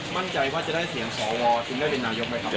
มั่นใจว่าจะได้เสียงศาลโวรที่นำได้เป็นนาตรฐกรรมด้วยครับ